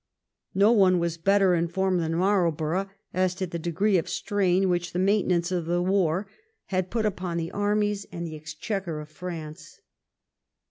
No one was better informed than Marlborough as to the degree of strain which the maintenance of the war had put upon the armies and the exchequer of France.